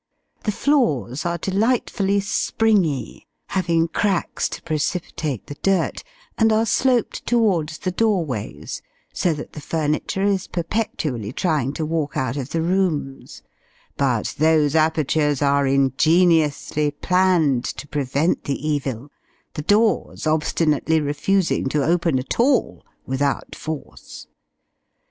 The floors are delightfully springy, having cracks to precipitate the dirt, and are sloped towards the doorways, so that the furniture is perpetually trying to walk out of the rooms; but those apertures are ingeniously planned to prevent the evil the doors obstinately refusing to open at all, without force.